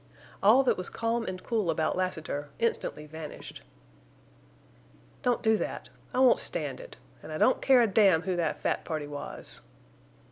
All that was calm and cool about Lassiter instantly vanished. "Don't do that! I won't stand it! An' I don't care a damn who that fat party was."